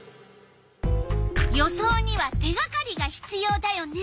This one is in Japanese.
予想には手がかりがひつようだよね。